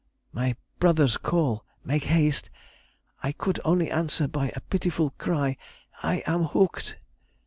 My brother's call, "Make haste!" I could only answer by a pitiful cry, "I am hooked!"